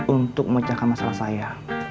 untuk mecahkan masalah saya